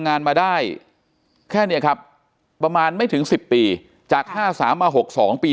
งานมาได้แค่นี้ครับประมาณไม่ถึง๑๐ปีจาก๕๓มา๖๒ปี